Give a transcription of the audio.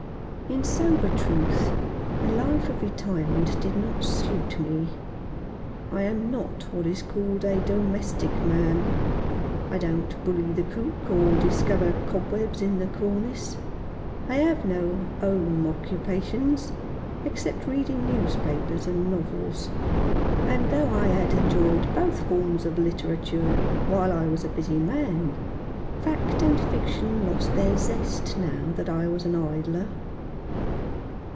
In sober truth, a life of retirement did not suit 174 Mr. Faunces Record. me. I am not what is called a domestic man. I don't bully the cook or discover cobwebs in the cornice. I have no home occupations, except reading newspapers and novels ; and though I had enjoyed both forms of literature while I was a busy man, fact and fiction lost their zest now that I was an idler.